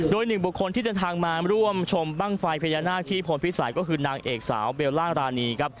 โดยหนึ่งบุคคลที่เดินทางมาร่วมชมบ้างไฟพญานาคที่พลพิสัยก็คือนางเอกสาวเบลล่างรานีครับ